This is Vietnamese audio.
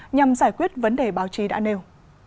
nhằm giải quyết vấn đề báo chí đã nêu